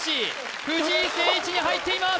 藤井誠一に入っています